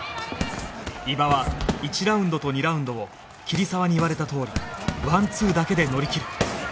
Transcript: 伊庭は１ラウンドと２ラウンドを桐沢に言われたとおりワンツーだけで乗り切る